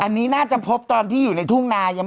อันนี้น่าจะพบตอนที่อยู่ในทุ่งนายัง